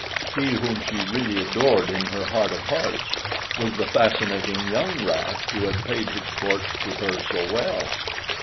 He whom she really adored in her heart of hearts was the fascinating young rat who had paid his court to her so well.